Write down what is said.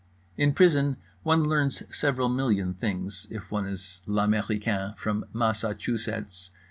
In prison one learns several million things—if one is l'américain from Mass a chu setts.